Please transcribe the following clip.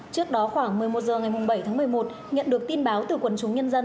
trước đó khoảng một mươi một h ngày bảy tháng một mươi một nhận được tin báo từ quần chúng nhân dân